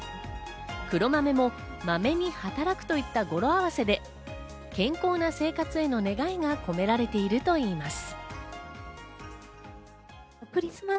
黒豆もまめに働くといった語呂あわせで、健康な生活への願いが込められているといいます。